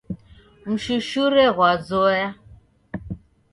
Mshushure ghwazoya